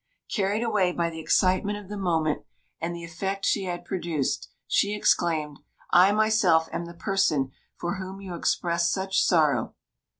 Carried away by the excitement of the moment and the effect she had produced, she exclaimed: "I, myself, am the person for whom you express such sorrow."